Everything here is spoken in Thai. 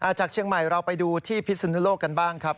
จากเชียงใหม่เราไปดูที่พิศนุโลกกันบ้างครับ